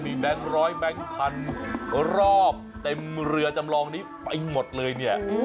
มีแบงค์ร้อยแบงค์พันรอบเต็มเรือจำลองนี้ไปหมดเลยเนี่ย